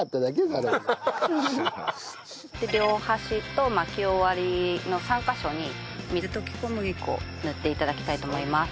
で両端と巻き終わりの３カ所に水溶き小麦粉を塗って頂きたいと思います。